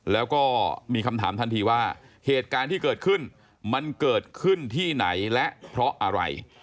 แล้วก็มีคำถามทันทีว่าเหตุการณ์ที่เกิดขึ้นมันเกิดขึ้นที่ไหนและเพราะอะไร